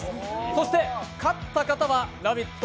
そして勝った方は「ラヴィット！」